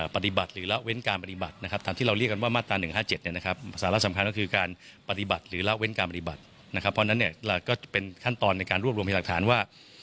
เพราะฉะนั้นก็เป็นขั้นตอนในการรวบรวมให้หลักฐานว่า